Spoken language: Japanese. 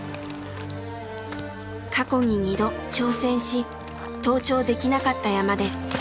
過去に２度挑戦し登頂できなかった山です。